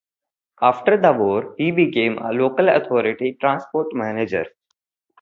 After the war he became a local authority transport manager.